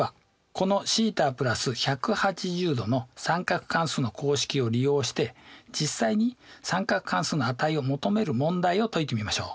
このθ＋１８０°の三角関数の公式を利用して実際に三角関数の値を求める問題を解いてみましょう。